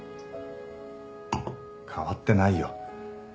変わってないよ